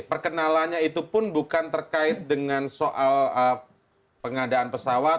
perkenalannya itu pun bukan terkait dengan soal pengadaan pesawat